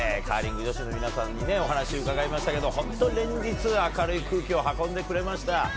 カーリング女子の皆さんにお話を伺いましたけど本当に連日明るい空気を運んでくれました。